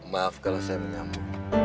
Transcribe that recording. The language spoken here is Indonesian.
maaf kalau saya menyambut